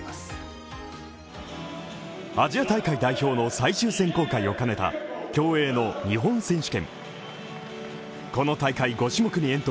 アジア大会代表の最終選考会を兼ねた競泳の日本選手権。